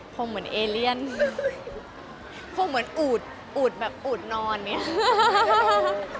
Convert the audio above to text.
คงเหมือนเอเลียนคงเหมือนอูดอูดแบบอูดนอนอย่างนี้